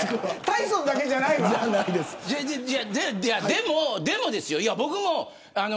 でもですよ、僕も。